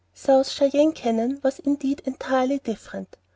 South Cheyenne Canyon was indeed "entirely different."